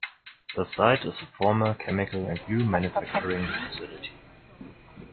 The site is a former chemical and glue manufacturing facility.